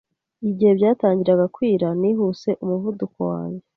Igihe byatangiraga kwira, nihuse umuvuduko wanjye.